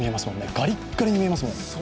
ガリッガリに見えますもん。